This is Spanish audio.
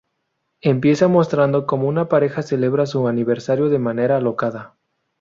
Empieza mostrando como una pareja celebra su aniversario de manera alocada.